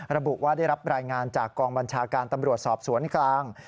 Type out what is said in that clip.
ระบุว่าได้รับรายงานจากกองบัญชาการตำรวจสอบสวนกลาง